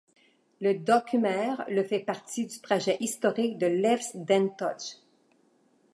Le Dokkumer Ie fait partie du trajet historique de l'Elfstedentocht.